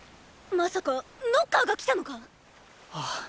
まさかノッカーが来たのか⁉ああ。